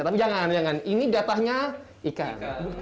tapi jangan jangan ini datanya ikan